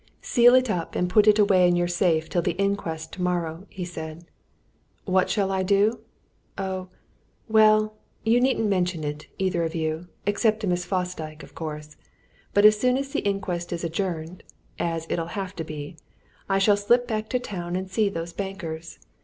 "Seal it up and put it away in your safe till the inquest tomorrow," he said. "What shall I do? Oh, well you needn't mention it, either of you, except to Miss Fosdyke, of course but as soon as the inquest is adjourned as it'll have to be I shall slip back to town and see those bankers.